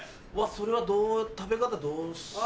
それは食べ方どうしたら。